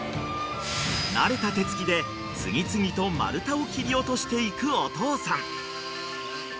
［慣れた手つきで次々と丸太を切り落としていくお父さん］